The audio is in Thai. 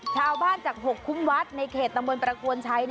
ชาวบ้านจาก๖คุ้มวัดในเขตตำบลประกวลชัย